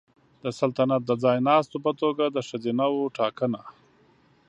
د سلطنت د ځایناستو په توګه د ښځینه وو ټاکنه